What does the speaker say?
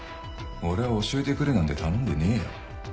俺は教えてくれなんて頼んでねえよ。